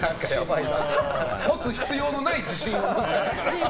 持つ必要のない自信を持っちゃったから。